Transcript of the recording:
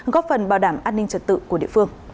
góp phần bảo đảm an ninh trật tự của địa phương